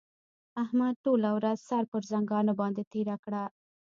احمد ټوله ورځ سر پر ځنګانه باندې تېره کړه.